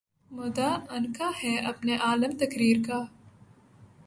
مدعا عنقا ہے اپنے عالم تقریر کا